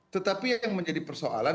tetapi yang menjadi persoalan